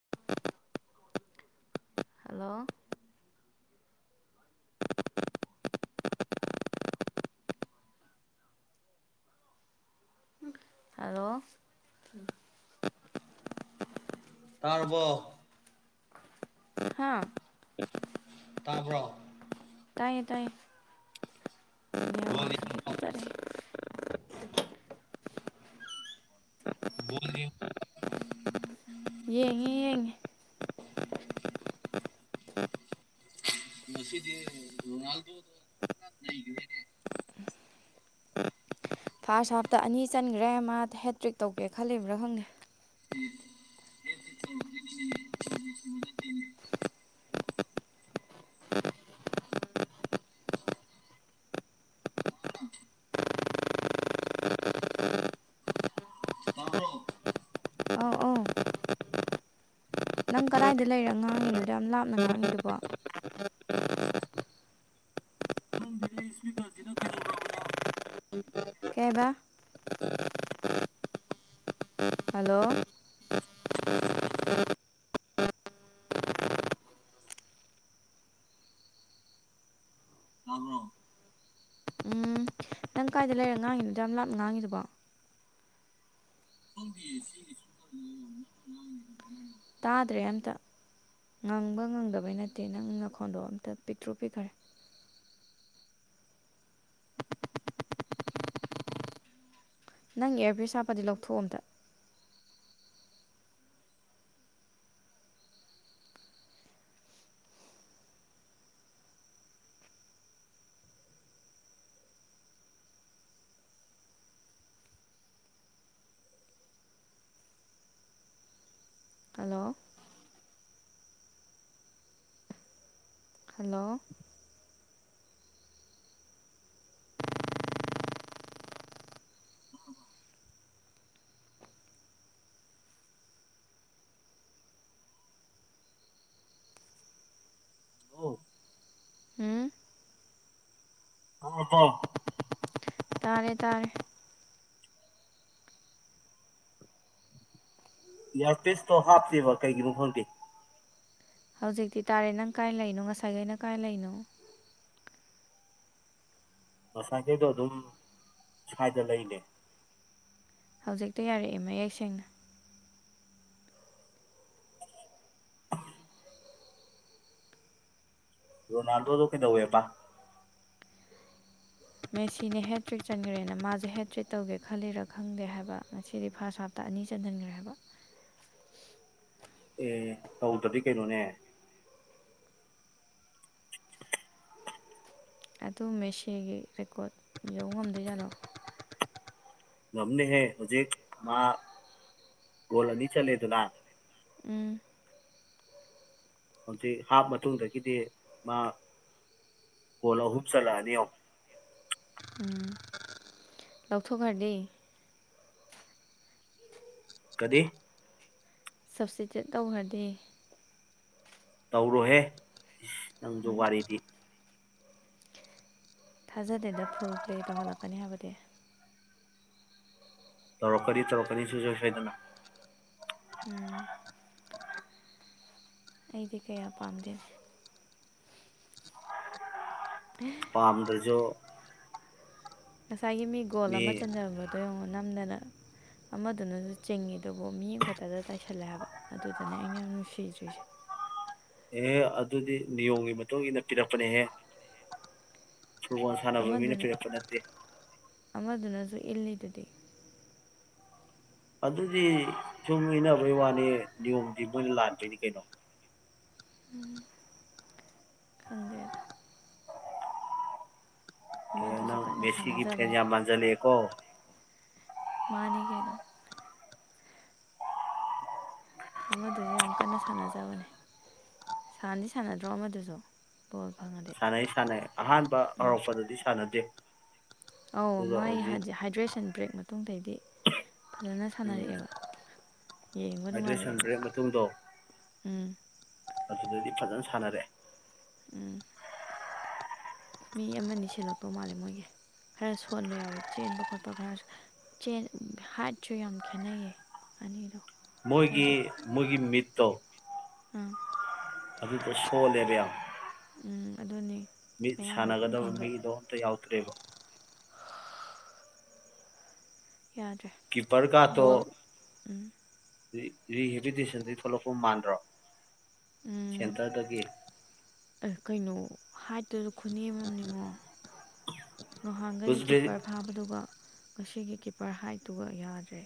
[inaudible] Hello [inaudible] hello ꯇꯥꯔꯔꯕꯣ ꯍꯥꯥ ꯇꯥꯕ꯭ꯔꯣ ꯇꯥꯏꯌꯦ ꯇꯥꯏꯌꯦ ꯅ ꯕꯣꯜ ꯋꯥ ꯁꯗꯤ ꯌꯦꯡꯕ꯭ꯔꯣ ꯄꯖꯥꯦ ꯣ ꯌꯨ ꯌꯦꯡꯉꯤꯦ ꯌꯦꯉꯦ ꯃꯁꯤꯁꯗꯤ ꯔꯣꯅꯥꯜꯗꯣ ꯐꯥꯔꯁ ꯍꯥꯐꯇ ꯑꯅꯤ ꯆꯟꯈ꯭ꯔꯦ ꯃꯥ ꯍꯦꯇ꯭ꯔꯤꯛ ꯇꯧꯒꯦ ꯈꯜꯂꯤꯕ꯭ꯔꯥ ꯈꯪꯉꯦ ꯑ ꯑ ꯅꯪ ꯀꯗꯥꯏꯗ ꯂꯩꯔ ꯉꯥꯡꯉꯤꯅꯣꯗꯣ ꯌꯥꯝ ꯂꯥꯞꯅ ꯉꯥꯡꯉꯤꯗꯨꯕꯣ ꯀꯦꯕ ꯍꯂꯣ ꯎꯝ ꯅꯪ ꯀꯥꯏꯗ ꯂꯩꯔ ꯉꯥꯡꯉꯤꯅꯣꯗ ꯌꯥꯝ ꯂꯥꯞꯅ ꯉꯥꯡꯉꯤꯗꯨꯕꯣ ꯇꯥꯗ꯭ꯔꯦ ꯑꯝꯇ ꯉꯪꯕ ꯉꯪꯗꯕꯩ ꯅꯠꯇꯦ ꯅꯪ ꯉꯈꯣꯟꯗꯣ ꯑꯝꯇ ꯄꯤꯛꯇ꯭ꯔꯨ ꯄꯤꯛꯈ꯭ꯔꯦ ꯅꯪ ꯏꯌꯥꯔꯕꯤꯁ ꯍꯥꯞꯄꯗꯤ ꯂꯧꯊꯣꯛ ꯑꯝꯇ ꯍꯜꯂꯣ ꯍꯜꯂꯣ ꯑ ꯎꯝ ꯑ ꯍꯥꯎ ꯇꯥꯔꯦ ꯇꯔ ꯌꯥ ꯄꯁꯇꯣ ꯍꯥꯞꯇꯕ ꯀꯩꯒꯤꯨ ꯈꯔꯒꯦ ꯍꯧꯖꯤꯛꯇꯤ ꯇꯥꯔꯦ ꯅꯪ ꯀꯥꯏ ꯂꯩꯔꯤꯅꯣ ꯉꯁꯥꯏꯈꯩꯅ ꯀꯥꯏ ꯂꯩꯅꯣ ꯉꯁꯥꯏꯈꯩꯗꯣ ꯑꯗꯨꯝ ꯁ꯭ꯋꯥꯏꯗ ꯂꯩꯅꯦ ꯍꯧꯖꯤꯛꯇ ꯌꯥꯔꯛꯑꯦ ꯃꯌꯦꯛ ꯁꯦꯡꯅ ꯔꯣꯅꯥꯜꯗꯣꯗ ꯀꯗꯧꯕꯇꯥ ꯃꯦꯁꯤꯅꯦ ꯍꯦꯠ ꯇ꯭ꯔꯤꯛ ꯆꯟꯈ꯭ꯔꯦꯅ ꯃꯥꯁꯦ ꯍꯦꯠ ꯇ꯭ꯔꯤꯠ ꯇꯧꯒꯦ ꯈꯜꯂꯤꯔꯥ ꯈꯪꯗꯦ ꯍꯥꯏꯕ ꯉꯁꯤꯗꯤ ꯐꯥꯔꯁ ꯍꯥꯞꯇ ꯑꯅꯤ ꯆꯟꯍꯟꯈ꯭ꯔꯦ ꯍꯥꯏꯕ ꯑꯦ ꯇꯧꯗ꯭ꯔꯗꯤ ꯀꯩꯅꯣꯅꯦ ꯑꯗꯨ ꯃꯦꯁꯤꯒꯤ ꯔꯦꯀꯣꯔꯠ ꯌꯧꯕ ꯉꯝꯗꯣꯏ ꯌꯥꯠꯂꯣ ꯉꯝꯅꯦ ꯍ ꯍꯧꯖꯤꯦ ꯃꯥ ꯣꯂꯅꯤ ꯆꯂꯦꯗꯅꯥ ꯎꯝ ꯍꯧꯖꯤꯛ ꯍꯥꯞ ꯃꯇꯨꯡꯗꯒꯤꯗꯤ ꯃꯥ ꯀꯣꯜ ꯑꯍꯨꯝ ꯆꯜꯂꯛꯑꯅꯤ ꯎꯝ ꯂꯧꯊꯣꯛꯈ꯭ꯔꯗꯤ ꯀꯗ ꯁꯞꯇꯤꯇꯦꯠ ꯇꯧꯈ꯭ꯔꯗꯤ ꯇꯧꯔꯨꯍꯦ ꯅꯪꯁꯨ ꯋꯥꯔꯤꯗꯤ ꯊꯥꯖꯗꯦꯗ ꯐꯨꯜ ꯄ꯭ꯂꯦ ꯇꯧꯍꯜꯂꯛꯀꯅꯤ ꯍꯥꯏꯕꯗꯤ ꯇꯧꯔꯛꯀꯅꯤ ꯇꯧꯔꯛꯀꯅꯤ ꯁꯁꯣꯏ ꯁꯣꯏꯗꯅ ꯎꯝ ꯑꯩꯗꯤ ꯀꯌꯥ ꯄꯥꯝꯗꯦ ꯄꯥꯝꯗ꯭ꯔꯁꯨ ꯉꯁꯥꯏꯒꯤ ꯃꯤ ꯒꯣꯜ ꯑꯃ ꯆꯟꯖꯕꯗꯣ ꯌꯦꯡꯉꯣ ꯅꯝꯗꯅ ꯑꯃꯗꯨꯅꯁꯨ ꯆꯤꯡꯉꯤ ꯑꯗꯨꯕꯨ ꯃꯤ ꯑꯃꯈꯛꯇꯗ ꯇꯥꯏꯁꯜꯂꯦ ꯍꯥꯏꯕ ꯑꯗꯨꯗꯅꯦ ꯑꯩꯅ ꯌꯥꯝ ꯅꯨꯡꯁꯤꯗ꯭ꯔꯤꯁꯦ ꯑꯦꯍꯦ ꯑꯗꯨꯗꯤ ꯅꯤꯌꯣꯝꯒꯤ ꯃꯇꯨꯡ ꯏꯟꯅ ꯄꯤꯔꯛꯄꯅꯦꯍꯦ ꯐꯨꯠꯕꯣꯜ ꯁꯥꯟꯅꯕ ꯃꯤꯅ ꯑꯃꯗꯨꯅ ꯄꯤꯔꯛꯄ ꯅꯠꯇꯦ ꯨ ꯏꯜꯂꯤꯗꯨꯗꯤ ꯑꯗꯨꯗꯤ ꯁꯨꯝ ꯏꯟꯅꯅꯕꯩ ꯋꯥꯅꯤ ꯅꯤꯌꯣꯝꯗꯤ ꯃꯣꯏꯅ ꯂꯥꯟꯗꯣꯏꯅꯤ ꯀꯩꯅꯣ ꯈꯪꯗ꯭ꯔꯦꯗ ꯀꯩꯅꯅꯣ ꯑꯃꯗꯨꯁꯨ ꯀꯟꯅ ꯃꯦꯁꯤꯒꯤꯐꯇꯅꯤ ꯁꯥꯟꯅꯖꯕꯅꯦ ꯌꯥꯝ ꯃꯥꯟꯖ ꯂꯩ ꯑꯩꯀꯣ ꯃꯥꯅꯤ ꯀꯅꯣ ꯑꯃꯗꯨꯁꯨ ꯌꯥꯝ ꯀꯟꯅ ꯁꯥꯟꯅꯖꯕꯅꯦ ꯁꯥꯟꯅꯗꯤ ꯁꯥꯟꯅꯗ꯭ꯔꯣ ꯑꯃꯗꯨꯁꯨ ꯕꯣꯜ ꯐꯪꯉꯗꯤ ꯁꯥꯟꯅꯩ ꯁꯥꯟꯅꯩ ꯑꯍꯥꯟꯕ ꯍꯧꯔꯛꯄꯗꯗꯤ ꯁꯥꯟꯅꯗꯦ ꯑꯧ ꯑꯗꯨꯒ ꯃꯥꯏ ꯍꯧꯖꯤꯛ ꯍꯥꯏꯗ꯭ꯔꯦꯁꯟ ꯕ꯭ꯔꯦꯛ ꯑꯗꯨꯣꯡꯇꯥꯏꯗꯤ ꯐꯖꯅ ꯁꯥꯟꯅꯔꯛꯑꯦꯕ ꯌꯦꯡꯕ ꯍꯥꯏꯗ꯭ꯔꯦꯁꯟ ꯅꯨꯡꯉꯥꯏꯔꯛꯑꯦꯕ ꯕ꯭ꯔꯦꯛ ꯃꯇꯨꯡꯗꯣ ꯎꯝ ꯑꯗꯨꯗꯗꯤ ꯐꯖꯅ ꯁꯥꯟꯅꯔꯛꯑꯦ ꯎꯝ ꯃꯤ ꯑꯃꯅꯤ ꯁꯦꯜꯂꯛꯄ ꯃꯥꯜꯂꯦ ꯃꯣꯏꯒꯤ ꯈꯔ ꯁꯣꯟꯕ ꯌꯥꯎꯋꯦ ꯆꯦꯟꯕ ꯈꯣꯠꯄ ꯈꯔꯁꯨ ꯍꯥꯏꯠꯁꯨ ꯌꯥꯝ ꯈꯦꯠꯅꯩꯌꯦ ꯑꯅꯤꯗꯣ ꯃꯣꯏꯒꯤ ꯃꯣꯏꯒꯤ ꯃꯤꯠ ꯛꯇꯣ ꯑ ꯑꯗꯨ ꯄ ꯁꯣ ꯂꯩꯔꯦ ꯎꯝ ꯑꯗꯨꯅꯤ ꯃꯤ ꯃꯌꯥꯡꯒ ꯏꯀꯪ ꯁꯥꯟꯅꯒꯗꯕ ꯀꯪꯒꯩ ꯃꯤꯗꯣ ꯑꯝꯇ ꯌꯥꯎꯗ꯭ꯔꯦꯕ ꯌꯥꯗ꯭ꯔꯦ ꯕꯣꯜ ꯎꯝ ꯔꯤꯍꯦꯕꯤꯂꯤꯇꯦꯁꯟꯗ ꯊꯣꯛꯂꯛꯄ ꯃꯥꯟꯗ꯭ꯔꯣ ꯎꯝ ꯁꯦꯟꯇꯔꯗꯒꯤ ꯀꯩꯅꯣ ꯍꯥꯠ ꯑꯗꯨꯗ ꯈꯨꯅꯤ ꯑꯃꯝ ꯅꯤꯉꯣ ꯉꯍꯥꯟꯈꯩꯒꯤ ꯎꯖꯕꯦ- ꯀꯤꯄꯔ ꯐꯥꯕꯗꯨꯒ ꯉꯁꯤꯒꯤ ꯀꯤꯞꯄꯔ ꯍꯥꯏꯠꯇꯨꯒ ꯌꯥꯗ꯭ꯔꯦ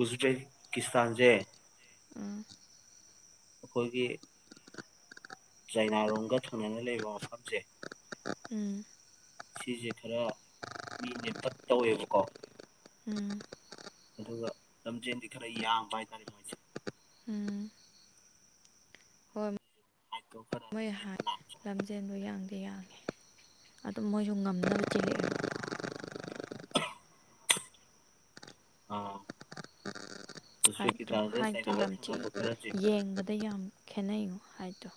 ꯎꯖꯔꯦ ꯀꯁꯇꯥꯟꯁꯦ ꯎ ꯑꯩꯈꯣꯏꯒꯤ ꯆꯩꯥꯏꯅꯥꯔꯣꯝꯒ ꯊꯪꯅꯅ ꯂꯩꯕ ꯃꯐꯝꯁꯦ ꯎꯝ ꯁꯤꯁꯦ ꯈꯔ ꯃꯤꯅꯦꯦ ꯇꯛ ꯇꯧꯋꯦꯕꯀꯣ ꯎꯝ ꯑꯗꯨꯒ ꯂꯝ ꯆ ꯈꯔ ꯌꯥꯝꯕ ꯍꯥꯏꯇꯥꯔꯦ ꯃꯁꯦ ꯎ ꯍꯣꯏ ꯍꯥꯏꯠꯇꯣ ꯈꯔ ꯃꯣꯏ ꯅꯦꯝꯅ ꯂꯥꯛꯄ ꯍꯥꯏꯇꯥꯔꯦ ꯂꯝꯖꯦꯟꯕꯨ ꯌꯥꯡꯗꯤ ꯌꯥꯡ ꯑꯗꯨꯝ ꯃꯣꯏꯁꯨ ꯉꯝꯅꯕ ꯆꯦꯜꯂꯛꯑꯦꯕ ꯑꯣ ꯎꯝ ꯍꯥꯏꯠꯇꯣ ꯍꯥꯏꯠꯇꯣ ꯌꯥꯝ ꯆꯦꯡꯉꯦ ꯈꯔꯁꯦ ꯌꯦꯡꯕꯗ ꯌꯥꯝ ꯈꯦꯠꯅꯩꯉꯣ ꯍꯥꯏ ꯇꯣ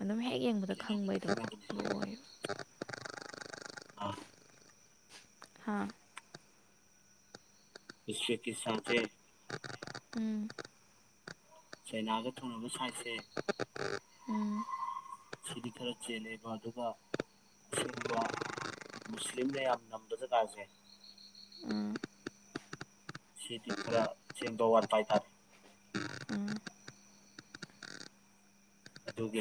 ꯑꯗꯨ ꯍ ꯌꯦꯡꯕꯗ ꯈꯦꯠꯅꯕꯅꯤ ꯈꯪꯕꯩꯗꯣ ꯈꯦꯠꯅꯕꯅꯤ ꯑꯗꯨ ꯑꯣꯏꯕ ꯍꯥꯏ ꯍꯥꯥ ꯁꯀꯤ ꯁꯝꯇ ꯎꯝ ꯆꯩꯅꯥꯒ ꯊꯣꯡꯅꯕ ꯁꯥꯏꯠꯁꯦ ꯎꯝ ꯁꯤꯗꯤ ꯈꯔ ꯆꯦꯜꯂꯦꯕ ꯑꯗꯨꯒ ꯑꯁꯤꯒꯨꯝꯕ ꯃꯨꯁꯂꯤꯝꯅ ꯌꯥꯝ ꯉꯝꯕ ꯖꯒꯥꯁꯦ ꯑ ꯁꯤꯗꯤ ꯈꯔ ꯁꯦꯝꯕ ꯋꯥꯠꯄ ꯍꯥꯏꯇꯥꯔꯦ ꯎꯝ ꯌꯒꯦ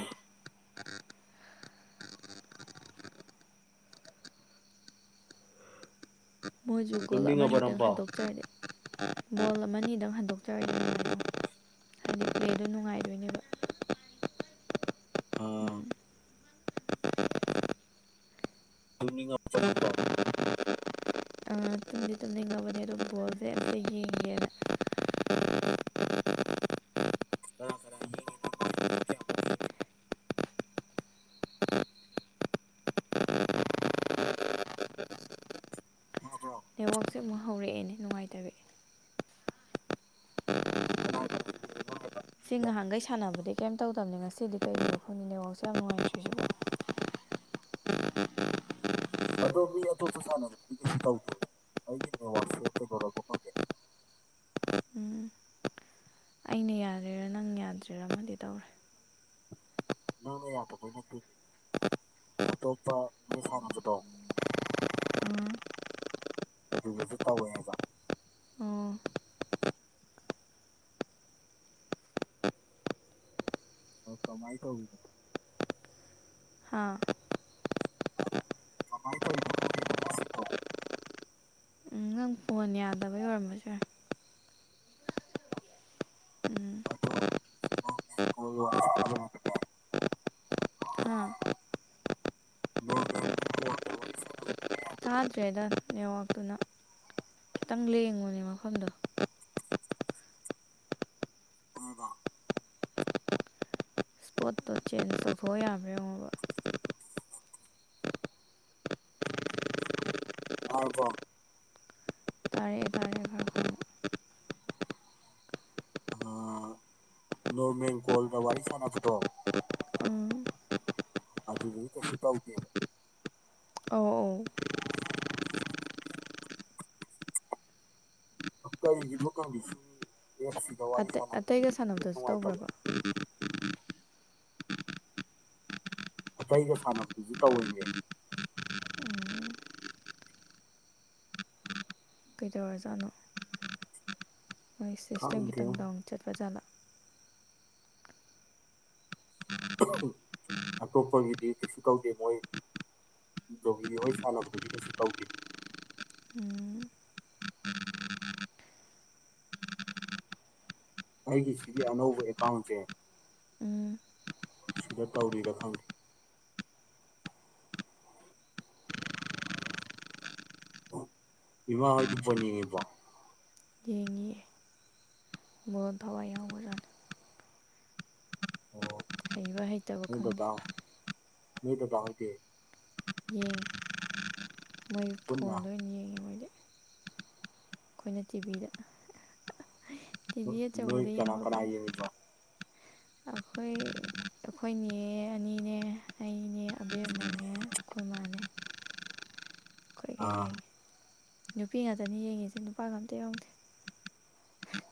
ꯃꯣꯏꯁꯨ ꯒꯣꯜ ꯇꯨꯝꯅꯤꯡꯉꯕꯣ ꯑꯃꯅꯤꯇꯪ ꯅꯪꯕꯣ ꯍꯟꯗꯣꯛꯆꯔꯦ ꯕꯣꯜ ꯑꯃ ꯑꯅꯤꯗꯪ ꯍꯟꯗꯣꯛꯆꯔꯗꯤ ꯅꯨꯡꯉꯥꯏꯗꯣ ꯍꯥꯏꯗꯤ ꯄ꯭ꯂꯦꯗꯣ ꯅꯨꯡꯉꯥꯏꯗꯣꯏꯅꯦꯕ ꯑꯥ ꯎꯝ ꯇꯨꯝꯅꯤꯡꯉꯕꯣ ꯅꯪꯕꯣ ꯇꯨꯝꯗꯤ ꯇꯨꯝꯗꯤ ꯉꯕꯅꯦ ꯑꯗꯣ ꯕꯣꯜꯁꯦ ꯑꯝꯇ ꯌꯦꯡꯒꯦꯅ ꯀꯅꯥ ꯀꯅꯥ ꯌꯦꯡꯉꯤꯅꯣ ꯃꯥꯕ꯭ꯔꯣ ꯅꯦꯠꯋꯥꯛꯁꯦ ꯑꯃꯨꯛ ꯍꯧꯔꯛꯑꯦꯅꯦ ꯅꯨꯡꯉꯥꯏꯇꯔꯑꯦ ꯀꯅꯥ ꯀꯅꯥ ꯁꯤ ꯌꯦꯡꯉꯤꯅꯣ ꯉꯍꯥꯟꯒꯩ ꯁꯥꯟꯅꯕꯗꯤ ꯀꯩꯝ ꯇꯧꯗꯕꯅꯦ ꯉꯁꯤꯗꯤ ꯀꯩꯒꯤꯅꯣ ꯈꯪꯅꯤ ꯅꯦꯋꯥꯛꯁꯦ ꯌꯥꯝ ꯅꯨꯡꯉꯥꯏꯇ꯭ꯔꯤ ꯁꯤꯕꯣ ꯎ ꯇꯥꯎ ꯎꯝ ꯑꯩꯅ ꯌꯥꯔꯦꯔꯥ ꯅꯪ ꯌꯥꯗ꯭ꯔꯦꯔꯥ ꯑꯃꯗꯤ ꯇꯧꯔꯦ ꯅꯪꯅ ꯌꯥꯗꯕꯩ ꯅꯠꯇꯦ ꯑꯇꯣꯞꯄ ꯃꯤ ꯁꯥꯟꯅꯕꯗꯣ ꯑ ꯑꯗꯨꯗꯁꯨ ꯇꯧꯋꯦ ꯍꯥꯏꯕ ꯑꯣ ꯗ ꯍꯥꯥ ꯀꯃꯥꯏꯅ ꯇꯧꯔꯤꯅꯣ ꯈꯪꯗꯦ ꯃꯁꯤꯗꯣ ꯑꯩꯈꯣꯏꯒꯤ ꯎꯝ ꯅꯪ ꯐꯣꯟ ꯌꯥꯗꯕ ꯌꯣꯏꯔꯝꯝꯕꯁꯨ ꯌꯥ ꯎꯝ ꯀꯣꯜ ꯋꯥꯔꯤ ꯁꯥꯟꯅꯕꯗꯅꯦ ꯍꯥꯥ ꯅꯣꯔꯃꯦꯜ ꯀꯣꯜꯗ ꯋꯥꯔꯤ ꯇꯥꯗ꯭ꯔꯦꯗ ꯌꯔꯥꯛꯛꯇꯨꯅ ꯈꯤꯇꯪ ꯂꯦꯡꯉꯨꯅꯦ ꯃꯐꯝꯗꯣ ꯏꯁꯄꯣꯠꯇꯣ ꯆꯦꯟꯖ ꯇꯧꯊꯣꯛꯑ ꯌꯥꯕ꯭ꯔꯥ ꯌꯦꯡꯉꯣꯕ ꯇꯥꯔꯕꯣ ꯇꯔꯦ ꯇꯔꯦ ꯈꯥꯔ ꯈꯃ ꯅ ꯃ ꯀꯣ ꯃ ꯋꯥꯔꯤꯏ ꯐꯣꯅ ꯐꯇ ꯑ [unintelligible] ꯑꯣ ꯑꯣ [unintelligible] ꯑꯦ ꯁꯤꯗ ꯋꯥꯔꯤ ꯑꯇꯩ ꯑꯇꯩꯒ ꯁꯥꯟꯅꯕꯗꯨꯗꯤ ꯌꯥꯝ ꯁꯥꯟꯅꯕꯗꯁꯨ ꯅꯨꯡꯉꯥꯏꯇꯕ ꯇꯧꯈ꯭ꯔꯕ [unintelligible] ꯑꯇꯩꯒ ꯁꯥꯟꯅꯕꯗꯁꯨ ꯇꯧꯋꯦꯃꯦ ꯎꯝ ꯀꯩꯗꯧꯔꯖꯥꯠꯅꯣ ꯃꯣꯏꯁꯤ ꯁꯤꯁꯇꯦꯝ ꯈꯤꯇꯪ ꯈꯪꯗꯦꯉꯣ ꯗꯥꯎꯟ ꯆꯠꯄꯖꯥꯠꯂꯥ ꯑꯇꯣꯞꯄꯒꯤꯗꯤ ꯀꯩꯁꯨ ꯀꯧꯗꯦ ꯃꯣꯏ ꯗꯣꯂꯤ ꯍꯣꯏ ꯁꯥꯟꯅꯕꯗꯗꯤ ꯀꯩꯁꯨ ꯇꯧꯗꯦ ꯎꯝ ꯑꯩꯒꯤ ꯁꯤꯒꯤ ꯑꯅꯧꯕv ꯑꯦꯀꯥꯎꯟꯖꯦ ꯎꯝ ꯁꯤꯗ ꯇꯧꯔꯤꯔ ꯈꯪꯗꯦ ꯏꯃꯥꯍꯣꯢꯗꯤ ꯕꯣꯟ ꯌꯦꯡꯉꯤꯕꯣ ꯌꯦꯡꯉꯤꯌꯦ ꯕꯣꯟ ꯊꯋꯥꯏ ꯌꯥꯎꯕꯖꯥꯠꯅꯦ ꯑꯣ ꯍꯩꯕ ꯍꯩ ꯅꯣꯏ ꯕꯕꯥ ꯅꯣꯢ ꯗꯗꯥꯍꯣꯢꯗꯤ ꯌꯦꯡꯉꯤ ꯃꯣꯏ ꯄꯨꯟꯅ ꯐꯣꯟꯗ ꯑꯣꯏꯅ ꯌꯦꯡꯉꯤ ꯃꯣꯏꯗꯤ ꯈꯣꯏꯅ ꯇꯤꯚꯤꯗ ꯇꯤꯚꯤ ꯅꯣꯏ ꯑꯆꯧꯕꯗ ꯀꯅꯥ ꯀꯅꯥꯥ ꯌꯦꯡꯂꯤꯕ ꯑꯈꯣꯏ ꯑꯈꯣꯏ ꯅꯦ ꯑꯅꯤꯅꯦ ꯑꯩꯅꯦ ꯑꯕꯦꯝꯃꯅꯦ ꯈꯣꯏ ꯃꯥꯅꯦ ꯈꯣꯢꯒꯩ ꯑꯥ ꯌꯦꯡꯉꯤ ꯅꯨꯄꯤ ꯉꯥꯛꯇꯅꯤ ꯌꯦꯡꯉꯤꯁꯦ ꯅꯨꯄꯥꯒ ꯑꯝꯇ ꯌꯥꯎꯗꯦ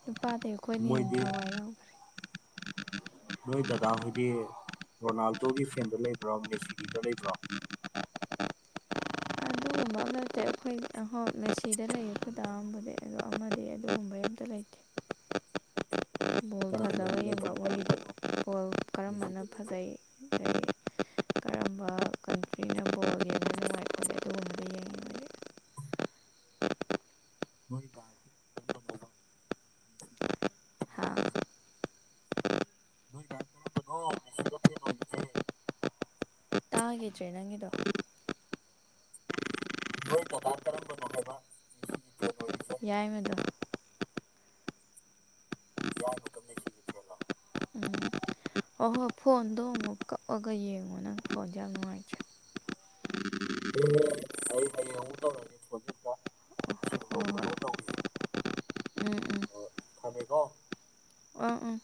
ꯅꯨꯞ ꯄꯥꯗꯩ ꯈꯣꯏꯅ ꯍꯦꯟꯅ ꯃꯣꯏꯗꯤ ꯊꯋꯥꯏ ꯌꯥꯎꯒ꯭ꯔꯦ ꯅꯣꯏ ꯗꯗꯥꯈꯣꯏꯗꯤ ꯔꯣꯅꯥꯜꯗꯣꯒꯤ ꯐꯦꯟꯗ ꯂꯩꯕ꯭ꯔꯥ ꯃꯦꯁꯤꯒꯤꯗ ꯂꯩꯕ꯭ꯔ ꯑꯗꯨꯒꯨꯝꯕ ꯑꯝꯇ ꯂꯩꯇꯦ ꯑꯩꯈꯣꯏ ꯑꯍ ꯃꯦꯁꯤꯗ ꯂꯩꯌꯦ ꯈꯣꯢ ꯗꯥ ꯑꯝꯕꯨꯗꯤ ꯑꯗꯣ ꯑꯃꯗꯤ ꯑꯗꯨꯒꯨꯝꯕꯩ ꯑꯝꯇ ꯂꯩꯇꯦ ꯕꯣꯜ ꯀꯅꯥꯅꯣ ꯐꯖꯕ ꯅꯣꯏ ꯌꯦꯡꯕ ꯀꯅꯥ ꯃꯣꯏꯒꯤꯗꯤ ꯀꯅꯥꯅꯣ ꯕꯣꯜ ꯀꯔꯝꯕꯅ ꯃꯦꯁꯤꯗ ꯂꯩꯁꯦ ꯐꯖꯩ ꯑꯗꯒꯤ ꯀꯔꯝꯕ ꯀꯟꯇ꯭ꯔꯤꯅ ꯕꯣꯜ ꯌꯦꯡꯕ ꯅꯨꯡꯉꯥꯏ ꯈꯣꯠꯂꯦ ꯑꯗꯨꯒꯨꯝꯕꯗ ꯌꯦꯡꯉꯤ ꯃꯣꯏꯗꯤ ꯅꯣꯏ ꯗꯥꯗꯤ ꯀꯔꯝꯕꯅꯣꯕ ꯐꯦꯟ ꯍꯥꯥ ꯑꯣꯏꯁꯦ ꯅꯣꯏ ꯗꯥ ꯀꯔꯝꯕꯅꯣ ꯃꯦꯁꯤꯒ ꯐꯦꯟ ꯑꯣꯏꯔꯤꯁꯦ ꯇꯥꯒꯤꯗ꯭ꯔꯦ ꯅꯪꯒꯤꯗꯣ ꯅꯣꯏ ꯗꯗꯥ ꯀꯔꯝꯕꯅꯣ ꯍꯥꯏꯕ ꯃꯦꯁꯤꯒꯤ ꯐꯦꯟ ꯑꯣꯏꯔꯤꯁꯦ ꯌꯥꯏꯃꯗꯣ ꯏꯌꯥꯏꯃꯛꯀ ꯃꯦꯁꯤꯒꯤ ꯐꯦꯟꯂꯣ ꯎꯝ ꯍꯣ ꯍꯣꯏ꯫ ꯐꯣꯟꯗꯣ ꯑꯃꯨꯛ ꯀꯛꯑꯒ ꯌꯦꯡꯉꯣ ꯅꯪ ꯐꯣꯟꯁꯦ ꯌꯥꯝ ꯅꯨꯡꯉꯥꯏꯇ꯭ꯔꯦ ꯑꯦ ꯑꯩ ꯍꯌꯦꯡ ꯑꯃꯨꯛ ꯇꯧꯔꯒꯦ ꯐꯣꯟꯁꯦ ꯑꯝꯇ ꯍꯣꯏ ꯁꯦꯡꯗꯣꯛ ꯍꯣꯏ ꯈꯣꯠꯇꯣꯛ ꯇꯧꯈꯤꯒꯦ ꯎꯝ ꯎꯝ ꯊꯝꯃꯦꯀꯣ ꯑꯣ ꯎꯝ